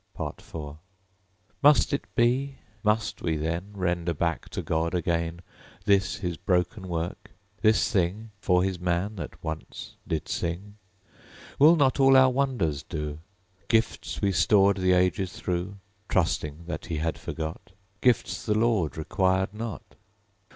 _ IV Must it be? Must we then Render back to God again This His broken work, this thing, For His man that once did sing? Will not all our wonders do? Gifts we stored the ages through, (Trusting that He had forgot) Gifts the Lord requirèd not?